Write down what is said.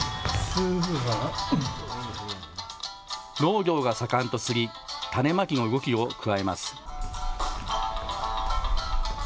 農業が盛んと知り種まきの動きを加えます。